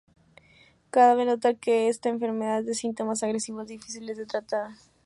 Cabe anotar que esta enfermedad es de síntomas agresivos difíciles de tratar.